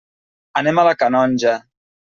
Anem a la Canonja.